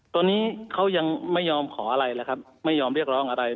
ตอนนี้เขายังไม่ยอมขออะไรแล้วครับไม่ยอมเรียกร้องอะไร